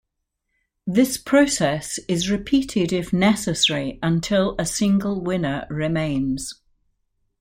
This process is repeated if necessary until a single winner remains.